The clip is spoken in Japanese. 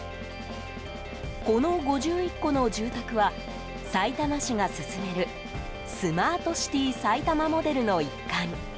この５１戸の住宅はさいたま市が進めるスマートシティさいたまモデルの一環。